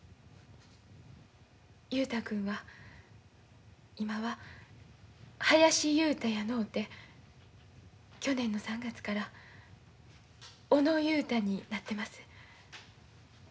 雄太君は今は林雄太やのうて去年の３月から小野雄太になってます。